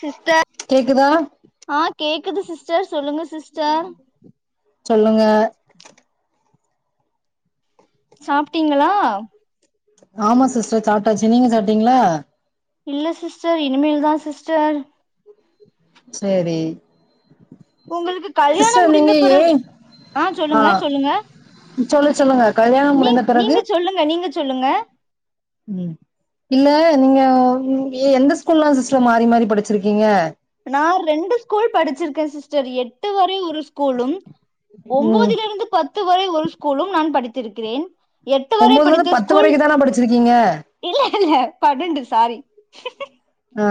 sister கேக்குதா ஆ கேக்குது சிஸ்டர் சொல்லுங்க சிஸ்டர் சொல்லுங்க சாப்ட்டீங்களா ஆமா சிஸ்டர் சாப்டாச்சு நீங்க சாப்டீங்களா இல்ல சிஸ்டர் இனிமேல்தா சிஸ்டர் செரி உங்களுக்கு கல்யாணம் முடிந்த பிறகு ஆ சொல்லுங்க சொல்லுங்க சொல்லு சொல்லுங்க கல்யாணம் நீ முடிந்த பிறகு நீங்க சொல்லுங்க நீங்க சொல்லுங்க ம் இல்ல நீங்க எந்த ஸ்கூல்லலா சிஸ்டர் மாரி மாரி படிச்சிருக்கீங்க நான் ரெண்டு ஸ்கூல் படிச்சிருக்க சிஸ்டர் எட்டு வரை ஒரு ஸ்கூலும் ம் ஒன்பதிலிருந்து பத்து வரை ஒரு ஸ்கூலும் நான் படித்திருக்கிறேன் எட்டு வரை ஒன்பதுல படித்த இருந்து பத்து ஸ்கூல் வரைக்கு தானா படிச்சிருக்கீங்க இல்ல இல்ல பன்னண்டு சாரி ஆ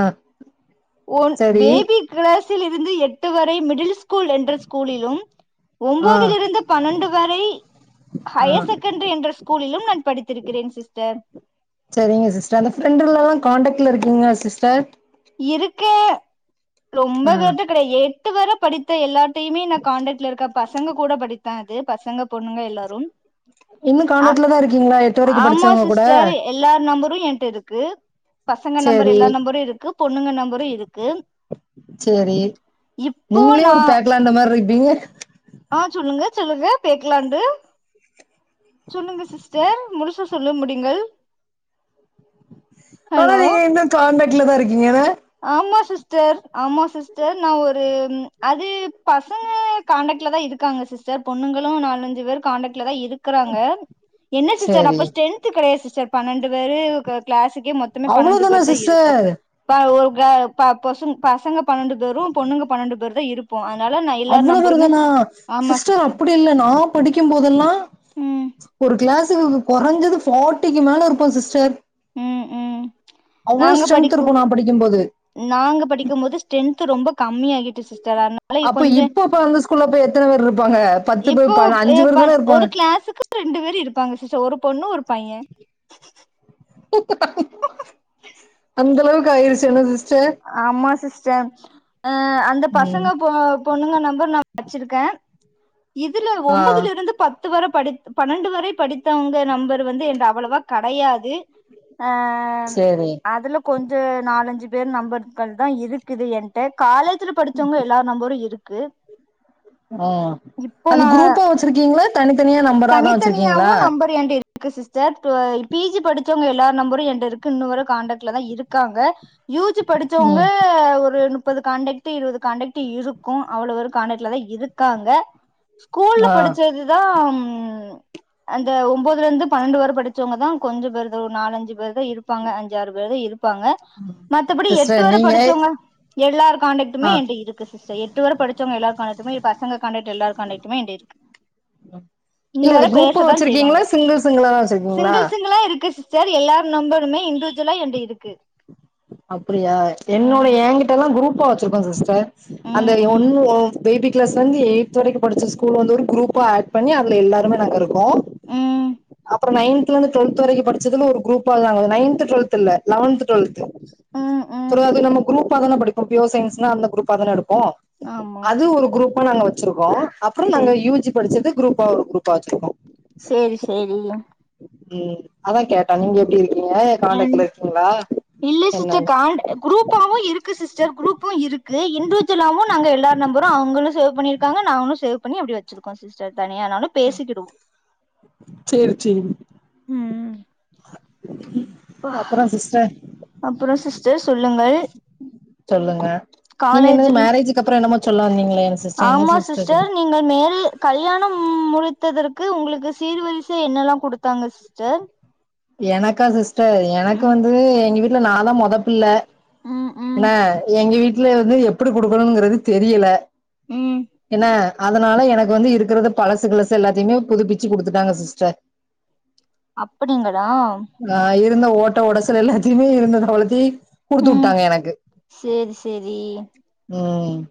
ஒன் சரி பேபி கிளாஸில் இருந்து எட்டு வரை மிடில் ஸ்கூல் என்ற ஸ்கூலிலும் ஆ ஒன்பதில இருந்து பன்னெண்டு வரை ஆ ஹையர் செகண்டரி என்ற ஸ்கூலிலும் நான் படித்திருக்கிறேன் சிஸ்டர் செரிங்க சிஸ்டர் அந்த ஃப்ரெண்ட்லல்லா காண்டாக்ட்ல இருக்கீங்களா சிஸ்டர் இருக்க ரொம்ப ஆ பேருட்ட கெடையாது எட்டு வர படித்த எல்லார் இப்பயுமே நா கான்டாக்ட்ல இருக்க பசங்க கூட படித்த அது பசங்க பொண்ணுங்க எல்லாரும் இன்னு அ கான்டாக்ட்ல தா இருக்கீங்களா எட்டு வரைக்கு ஆமா படிச்சவங்க கூட சிஸ்டர் எல்லார் நம்பரும் என்ட இருக்கு பசங்க நம்பர் எல்லா சேரி நம்பரும் இருக்கு பொண்ணு ங்க நம்பரும் இருக்கு இப்போ நா ஏ அந்த மாரி இருப்பீங்க ஆ சொல்லுங்க சொல்லுங்க பேக்கலான்டு சொல்லுங்க சிஸ்டர் முழுசா சொல்ல முடியுங்கள் ஹலோ பரவால்லையே இன்னு கான்டக்ட்லதா இருக்கீங்கல ஆமா சிஸ்டர் ஆமா சிஸ்டர் நா ஒரு அது பசங்க கான்டக்ட்லதா இருக்காங்க சிஸ்டர் பொண்ணுங்களு நாலஞ்சு பேரு கான்டக்ட்லதா இருக்கிறாங்க என்ன சிஸ்டர் சேரி அப்போ ஸ்டென் த்து கெடையாது சிஸ்டர் பன்னெண்டு பேரு கிளாஸுக்கே மொத்தமே பன்னெண்டு அவ்ளோதானா பேருதா இருப்போ சிஸ்டர் ப ஒ க ப பொச பசங்க பன்னெண்டு பேரு பொண்ணுங்க பன்னெண்டு பேருதா இருப் போ அதனால நை அவ்வளோ பேர்தனா சிஸ்டர் அப்டி இல்ல நா படிக்கும் போதெல்லா ம் ஒரு கிளாஸுக்கு கொறைஞ்சது ஃபார்ட்டிக்கு மேல இருப்போ சிஸ்டர் ம் ம் அவ்வளோ நாங்க ஸ்ட்ரென்த் படிக்கும் இருக்கு நா படிக்கம்போது நாங்க படிக்கம்போது ஸ்ட்ரென்த் ரொம்ப கம்மியாகிட்டு சிஸ்டர் ஆனா அலே அப்ப கொஞ்ச இப்ப அப்ப அந்த ஸ்கூல்ல போய் எத்தன பேர் இருப்பாங்க பத்து இப்போ பேர் ப ஒ எ அஞ்சு ப பேர் தான இருப்பாங்க ஒரு கிளாசுக்கு ரெண்டு பேர் இருப்பாங்க சிஸ்டர் ஒரு பொண்ணு ஒரு பைய அந்த அளவுக்கு ஆயிருச்சு என்ன சிஸ் ஆமா சிஸ்டர் அ அந்த பசங்க ம் பொண் ணுங்க நம்பர் நா வச்சிருக்கே இதுல ஆ ஒம்பதுல இருந்து பத்து பத்து வர படி பன்னெண்டு வரை படித்தவங்க நம்பர் வந்து என்ட்ட அவ்வளவா கெடையாது ஆ அ சேரி அதுல கொஞ்சொ நாலஞ்சு பேர் நம்பர்கள்தா இருக்குது என்ட்ட காலேஜ்ல படிச்சவங்க எல்லார் நம்பரு இருக்கு ஆ இப்போ அது குரூப்பா வச்சிருக்கீங்ளா தனித்தனியா நம் தனித்தனியாவு நம்பர் என்ட்ட இருக்கு சிஸ்டர் டுவ பி ஜி படிச்சவங்க எல்லார் நம்பரு என்ட்ட இருக்கு இன்னு வர கான்ட்டக்ட்லதா இருக்காங்க யூ ஜு படிச்சவங்க ம் க ஒரு முப்பது கான்ட்டெக்ட் இருவது கான்ட்டெக்ட் இருக்கு அவ்வளோ பேரு கான்ட்டெக்ட்லதா இருக்காங்க ஸ்கூல்ல ஆ படிச்சதுதா ம் அந்த ஒம்பதுல இருந்து பன்னெண்டு வர படிச்சவங்கதா கொஞ்சொ பேருத ஒரு நாலஞ்சு பேருதா இரு ப்பாங்க அஞ்சாறு பேர்தா இருப்பாங்க மத்தபடி எட்டு சிஸ்டர் வர நீங்க படிச்சோவங்க எல்லார் ஆ கான்டக்டுமே என்ட்ட இருக்கு சிஸ்டர் எட் டு வர படிச்சவங்க எல்லாரு கான்டெட்டுமே பசங்க கான்டெட்டு எல்லாரு கான்டெட்டுமே என்ட்ட இருக்கு இன்னு இல்ல அது வர குரூப்பா பேசதா செய்வாங்க வச்சிருக்கீங்களா சிங்கிள் சிங்கிளாதா வச்சிருக்கீங்களா சிங்கிள் சிங்கிளா இருக்கு சிஸ் சர் எல்லார் நம்பருமே இன்டுஜுவலா என்ட்ட இருக்கு அப்டியா என்னோட ம் எங்கிட்ட எல்லா குரூப்பா வச்சிருக்கோ சிஸ்டர் ம் அந்த ம் ஒன்னு ஒ பேபி கிளாஸ்லேந்து எயித் வரைக்கு படிச்ச ஸ்கூல் வந்து ஒரு குரூப்பா ஆட் பண்ணி அதுல எல்லாருமே நாங்கருக்கோ ம் அப்பறோ நைந்த்ல இருந்து டுவல்த் வரைக்கு படிச்சதும ஒரு குரூப்பாதா நைந்த் டுவெல்த் இல்ல லவன்த் டுவெல்த் ம் ம் [unintelligible] அது நம்ம குரூப்பா தானே படிப்போ பியூர் சயின்ஸ்னா அந்த குரூப்பா தானே எடுப்போ ஆமா அது ஒரு குரூப்பா நாங்க வச்சிருக்கோ அப்பறோ நாங்க சேரி யூ ஜி படிச்சது குரூப்பா ஒரு குரூப்பா வச்சிருக்கோ சேரி சேரி ம் அதா கேட்டாங் நீங்க எப்டி இருக்கீங்க என் கான்டாக்ட்ல இருக்கீங்களா இல்ல சிஸ்டர் என்னன்னு கால்டு குரூப்பாவு இருக்கு சிஸ்டர் குரூப்பு இருக்கு இன்டிஜுவலாவு நாங்க எல்லாரு நம்பரு அவுங்களு சேவ் பண்ணிரு ப்பாங்க நாங்களு சேவ் பண்ணி அப்டி வச்சிருக்கோ சிஸ்டர் தனியானாலு பேசிக்குடுவோ சேரி சேரி ம் ம் [unintelligible] அப்புறம் சிஸ்டர் அப்பறொ சிஸ்டர் சொல்லுங்கள் சொல்லுங்க நீங்க என்னது காலேஜில் மேரேஜ்க்கு அப்பறோ என்னமோ சொல்ல வந்தீங்ளே ஆமா சிஸ்டன் நீங்கள் மேரே கல்யாணம் முடித்ததற்கு உங்களுக்கு சீர் வரிசை என்னெல்லாம் குடுத்தாங்க ஸ்டர் எனக்கா சிஸ்டர் ம் எனக்கு வந்து எங்க வீட்டுல நாதான் மொதப்புள்ள ம் ம் என்னா எங்க வீட்டுல வந்து எப்டி குடுக்கணும்ங்கறது தெரியல ம் என்ன அதனால எனக்கு வந்து இருக்கறத பழசு கிளசு எல்லாத்தையுமே புதுப்பிச்சு கொடுத்துட்டாங்க சிஸ்டர் அப்டிங்களா ஆ இருந்த ஓட்ட உடசல் எல்லாத்தையுமே இருந்த தளத்தி குடுத்து ம் விட்டாங்க எனக்கு சேரி சேரி ம்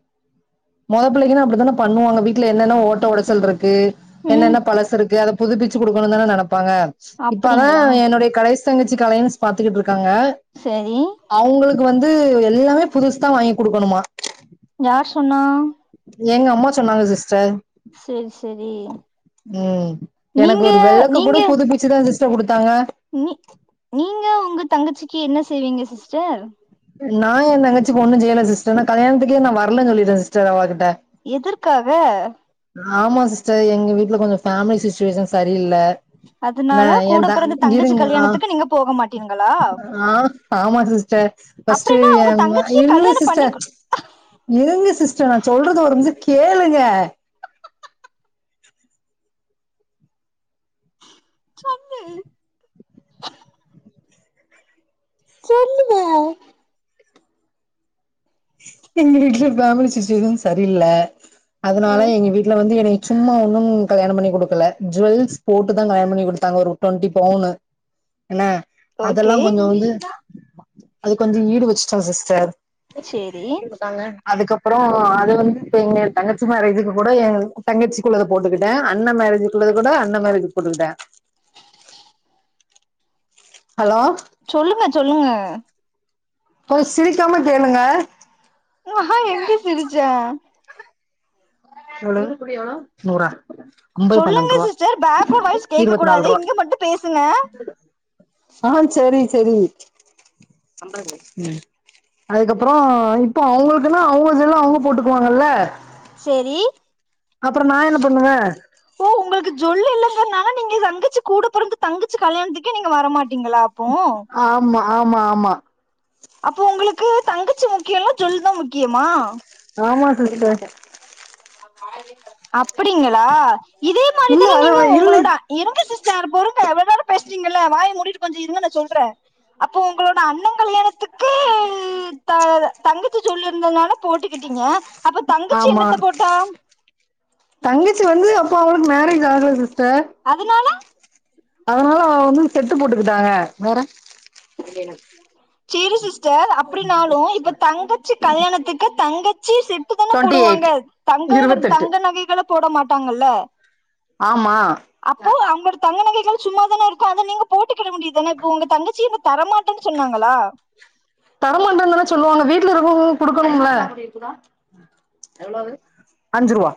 மொதபுள்ளக்கினா அப்டித்தானே பண்ணுவாங்க வீட்டுல என்னென்ன ஓட்ட ஒடசல்ருக்கு ம் என்னென்ன பழசு இருக்கு அத புதுப்பிச்சு கொடுக்கணும்தானே நெனப்பாங்க இப்பதான் அப்படிங்களா என்னுடைய கடைசி தங்கச்சிக்கு அலைன்ஸ் பாத்துக்கிட்டுருக்காங்க சேரி அவங்களுக்கு வந்து எல்லாமே புதுசு தான் வாங்கி குடுக்கணுமா யார் சொன்னா எங்க அம்மா சொன்னாங்க சிஸ்டர் சேரி சேரி ம் எனக்கு நீங்க ஒரு வெளக்கு கூட நீங்க புதுப்பி ச்சுதா தான் சிஸ்டர் குடுத்தாங்க நீ நீங்க உங்க தங்கச்சிக்கு என்ன செய்வீங்க சிஸ்டர் நான் என் தங்கச்சிக்கு ஒன்னும் செய்யல சிஸ்டர் நான் கல்யணத்துக்கே நா வரலன்னு சொல்லிடேன் சிஸ்டர் அவ கிட்ட எதற்காக ஆமா சிஸ்டர் எங்க வீட்டுல கொஞ்சம் ஃபேமிலி சுச்சுவேஷன் சரியில்ல ஆனா அதனால கூட என் தம் பிறந்த தங்கச்சி இருங்க கல்யாணத்துக்கு நீங்க போக மாட்டீங்களா ஆ ஆமா சிஸ்டர் ஃப்ஸ்ட்டு அப்படின்னா அவங்க ம் தங்கச்சிய இல்ல கல்யாணம் பண்ணி சிஸ்டர் கு- இருங்க சிஸ்டர் நான் சொல்றத ஒரு நிமிஷம் கேளுங்க சொல்லு சொல்லுங்க எங்க வீட்டுல பேமிலி சிச்சுவேஷன் சரியில்ல அதனால எங்க வீட்டுல வந்து என்ன சும்மா ஒன்னும் கல்யாணம் பண்ணி குடுக்கல ஜுவெல்ஸ் போட்டுதான் கல்யாணம் பண்ணி குடுத்தாங்க ஒரு டுவெண்டி பவுன்னு என்ன ஓகே அதெல்லாம் கொஞ்சம் வந்து அது கொஞ்சம் ஈடு வச்சுட்டோம் சிஸ்டர் சேரி அதுக்கப்பறம் அது வந்து எங்க தங்கச்சி மேரேஜுக்கு கூட எங்க தங்கச்சி இருந்தத போட்டுக்கிட்டே அன்னே மேரேஜுக்குள்ளது கூட அன்னே மேரேஜ்க்கு போட்டுக்கிட்டேன் ஹலோ சொல்லுங்க சொல்லுங்க கொஞ்சம் சிரிக்காம கேளுங்க ஆ ஹா எங்க சிரிச்சே எவ்வளவு நூறா அம்பது பன்னெண்டு சொல்லுங்க ரூவா சிஸ்டர் பேக்வர்ட் வாய்ஸ் கேட்க இருவத்தி கூடாது நாலு ரூவா இங்க மட்டும் பேசுங்க ஆ சேரி சேரி அதுக்கப்பறம் இப்ப அவங்களுக்குன்னா அவங்க செல்ல அவங்களே போட்டுக்குவாங்கல்ல செரி அப்றம் நான் என்ன பண்ணுவே ஓ உங்கள்க்கு ஜொல்லு இல்லங்கன்னாங்க நீங்க தங்கச்சு கூட பொறந்த தங்கச்சு கல்யாண்த்துக்கே நீங்க வரமாட்டீங்களா அப் போ ஆமா ஆமா ஆமா அப்போ உங்களுக்கு தங்கச்சி முக்கியம்ல ஜொல் தான் முக்கியமா ஆமா சிஸ்டர் அப்டிங்களா இதே மாதிரி இல்ல தானே அது நீங்க இல்ல உங்களோட அ இருங்க சிஸ்டர் பொறுங்க இவ்ளோ நேரம் பேசிட்டீங்கல்ல வாய மூடிட்டு கொஞ்சம் இருங்க நான் சொல்றேன் அப்போ ஒங்களோட அண்ணன் கல்யாணத்துக்கு த தங்கிச்சி சொல்லிருந்ததுனால போட்டி கிட்டீங்க அப்ப தங்கச்சி ஆமா எண்ணத்த போட் தங்கச்சி வந்து அப்போ அவளுக்கு மேரேஜ் ஆகல சிஸ்டர் அதுனால அதனால அவ வந்து செட்டு போட்டுக்கிட்டாக வேற சேரி சிஸ்டர் அப்டினாலு இப்ப தங்கச்சி கல்யாணத்துக்கு தங்கச்சி செட் தான டுவெண்ட்டி போடுவாங்க எயிட் தங்கங்க இருவத்தெட்டு தங்க நகைகளை போட மாட்டாங்கல்ல ஆமா அப்போ அவங்களோட தங்க நகைகள் சும்மாதான இருக்கும் அத நீங்க போட்டுக்கிட வேண்டியது தான இப்ப உங்க தங்கச்சி தரமாட் டேனு சொன்னாங்களா தரமாட்டேனு தான சொல்லுவாங்க வீட்டு்ல இருக்கவங்களும் குடுக்கணும்ல எவ்ளவுது அஞ்சு ரூபா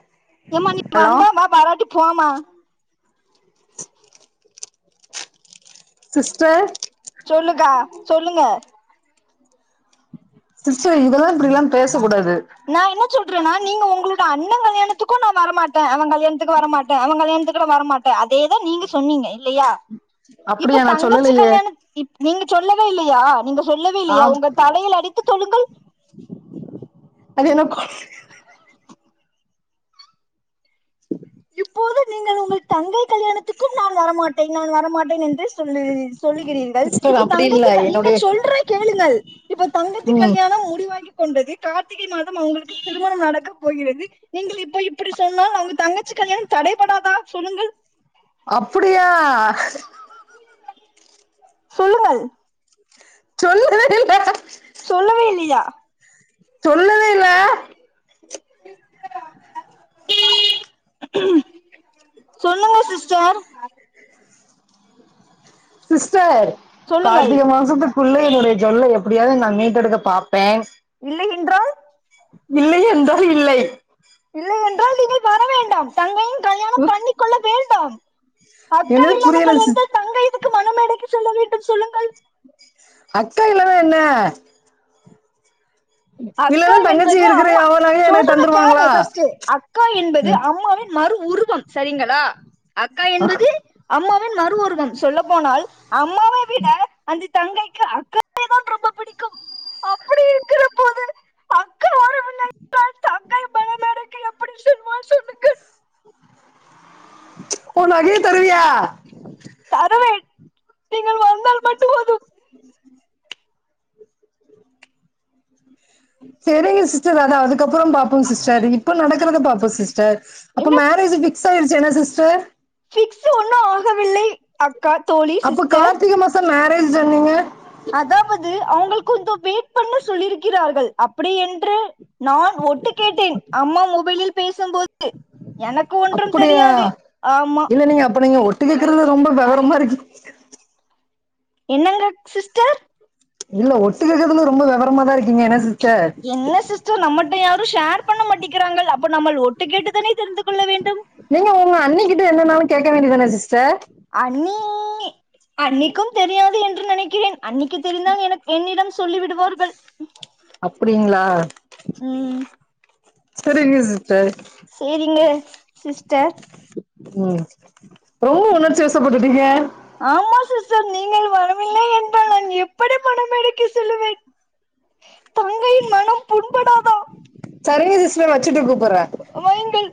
ஏம்மா நீ வந்த வா வராட்டி போமா சிஸ்டர் சொல்லுக்கா சொல்லுங்க சிஸ்டர் இதெல்லா இப்படில்லா பேசக்கூடாது நா என்ன சொல்றேன்னா நீங்க உங்களோட அண்ணன் கல்யாணத்துக்கு நான் வரமாட்டே அவுங்கள் வன் கல்யாணத்துக்கு வரமாட்டே அவன் கல்யாணத்துக்கு நா வரமாட்டே அதேதா நீங்க சொன்னீங்க இல்லையா இப்ப அப்டியா நா தங்கச்சி சொல்லலையே கல்யாணத் இ நீங்க சொல்லவே இல்லையா நீங்க சொல்லவே இல்லையா ஆம் உங்கள் தலையில் அடித்து சொல்லுங்கள் அது என்னக்கொன் [inaudible] இப்பொழுது நீங்கள் உங்கள் தங்கை கல்யாணத்துக்கும் நான் வரமாட்டேன் நான் வரமாட்டேன் என்றே சொல்லு சொல்கிறீர்கள் சிஸ்டர் இப்ப அப்டி இல்ல தங்கத்துக்க இங்க என்னுடைய சொல்ற கேளுங்கள் இப்போ தங்கச்சி ம் கல்யாணம் முடிவாகி கொண்டது கார்த்திகை மாதம் அவுங்களுக்கு திருமணம் நடக்க போகிறது நீங்கள் இப்ப இப்புடி சொன்னால் அவுங்க தங்க தங்கச்சி கல்யாணம் தடைபடாதா சொல்லுங்கள் அப்டியா சொல்லுங்கள் சொல்லு [unintelligible] சொல்லவே இல்லையா சொல்லவேஇல்ல ம் ம் சொல்லுங்க சிஸ்டர் சிஸ்டர் சொல்லுங்கள் கார்த்திக மாசத்துக் குள்ள என்னுடைய ஜூவல்ல எப்டியாவது நா மீட்டெடுக்க பாப்பே இல்லை என்றால் இல்லை என்றால் இல்லை இல்லை என்றால் நீங்கள் வர வேண்டாம் தங்கையும் கல்யாண [inaudible] ந்து கொள்ள வேண்டாம் அக்கா என்னது இல்லாத புரியல சிஸ் கல்யாணத்தில் தங்கையும் எதுக்கு மண மேடைக்கு சொல்ல வேண்டும் சொல்லுங்கள் அக்காயில்லனா என்ன அக்கா இல்லன்னா தங்கச்சி என்பது இருக்கிற அம்மா எவ நகையு எனக்கு சொல்றத கேளு தந்துருவாங்களா ஃபஸ்ட்டு அக்கா என்பது அம்மாவின் மறு உருவம் சரிங்களா அக்கா என்பது அம்மாவின் மறுஉருவம் சொல்ல போனால் அம்மாவை விட அந்த தங்கைக்கு அக்காவே தான் ரொம்ப பிடிக்கும் அப்படி இருக்கிற போது அக்கா வரவில்லை என்றால் தங்கை பயணடை தங்கை எப்டி செல்வாள் சொல்லுங்கள் ஓ நகைய தர்றியா தரவேன் நீங்கள் வந்தால் மட்டும் போதும் செரிங்க சிஸ்டர் அதாவது அப்றோ பாப்போம் சிஸ்டர் இப்ப நடக்குறத பாப்போ சிஸ்டர் அப்ப என்ன மேரேஜ் பிக்ஸ் ஆயிருச்சு என்ன சிஸ்டர் பிக்ஸ்சு ஒன்னு ஆகவில்லை அக்கா தோழி அப்ப சிஸ்டர் கார்த்திக மாசோ மேரேஜ் சொன்னீங்க அதாவது அவங்கள் கொஞ்சோ வெயிட் பண்ண சொல்லி இருக்கிறார்கள் அப்டி என்று நான் ஒட்டு கேட்டேன் அம்மா மொபைலில் பேசும்போது எனக்கு ஒன்றும் அப்படியா தெரியாது ஆமா இல்ல நீங்க அப்ப நீங்க ஒட்டு கேக்குறதுல ரொம்ப விவரமா இருக்கு என்னங்க சிஸ்டர் இல்ல ஒட்டுக்கேக்கிறதுல ரொம்ப வெவரமா தா இருக்கீங்க என்ன சிஸ்டர் என்ன சிஸ்டர் நம்மல்ல யாரு ஷேர் பண்ண மாட்டேக்கிறாங்கள் அப்ப நம்பள் ஒட்டு கேட்டு தானே தெரிந்து கொள்ள வேண்டும் நீங்க உங்க அண்ணிக்கிட்ட என்னனாளு கேட்க வேண்டியதுதான சிஸ்டர் அண்ணி அண்ணிக்கும் தெரியாது என்று நினைக்கிறேன் அண்ணிக்கு தெரிந்தால் எனக் என்னிடம் சொல்லி விடுவார்கள் அப்டிங்களா ம் செரிங்க சிஸ்டர் சேரிங்க சிஸ்டர் ம் ரொம்ப உணர்ச்சி வசப்பட்டுட்டீங்க ஆமா சிஸ்டர் நீங்கள் வரவில்லை என்றால் நான் எப்படி பணம் எடுக்க செல்லுவேன் [unintelligible] புண்படாதா செரிங்க சிஸ்டர் வெச்சுட்டு கூப்புடுற வையுங்கள்